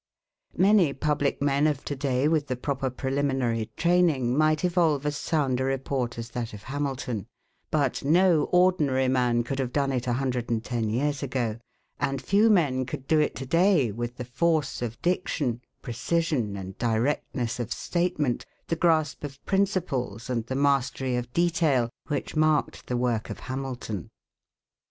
Many public men of to day with the proper preliminary training might evolve as sound a report as that of Hamilton, but no ordinary man could have done it a hundred and ten years ago, and few men could do it to day with the force of diction, precision and directness of statement, the grasp of principles, and the mastery of detail which marked the work of Hamilton.